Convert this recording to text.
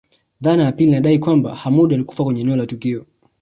Dhana ya pili inadai kwamba Hamoud alikufa kwenye eneo la tukio